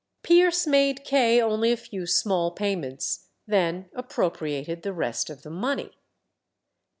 Pierce made Kay only a few small payments, then appropriated the rest of the money.